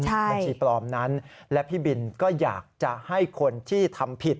บัญชีปลอมนั้นและพี่บินก็อยากจะให้คนที่ทำผิด